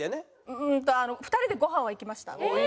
うーんと２人でご飯は行きました。